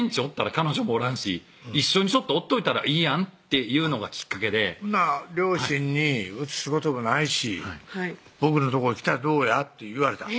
彼女もおらんし」「一緒におっといたらいいやん」というのがきっかけで「両親にうつすこともないし僕のとこへ来たらどうや？」って言われた？